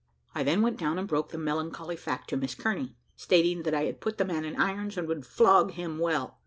I then went down and broke the melancholy fact to Miss Kearney, stating that I had put the man in irons, and would flog him well.